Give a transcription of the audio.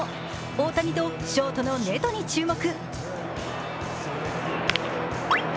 大谷とショートのネトに注目。